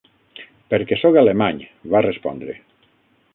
"Perquè soc alemany", va respondre.